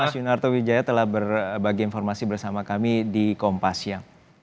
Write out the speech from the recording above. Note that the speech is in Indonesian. mas yunarto widjaya telah berbagi informasi bersama kami di kompasya